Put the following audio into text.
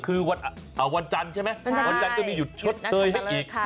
คือวันจันทร์ใช่ไหมวันจันทร์ก็มีหยุดชดเชยให้อีก